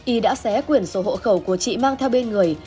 y đã xé quyển sổ hộ khẩu của chị mang theo bên người